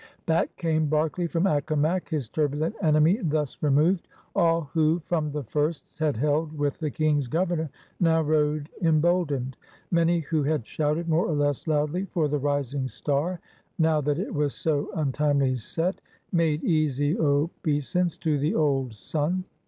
Back came Berkeley from Accomac, his turbu lent enemy thus removed. All who from the first had held with the Eang's Governor now rode emboldened. Many who had shouted more or less loudly for the rising star, now that it was so un timely set, made easy obeisance to the old sun.